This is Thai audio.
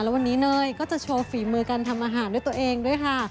แล้ววันนี้เนยก็จะโชว์ฝีมือการทำอาหารด้วยตัวเองด้วยค่ะ